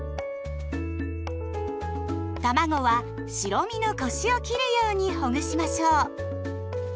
たまごは白身のコシを切るようにほぐしましょう。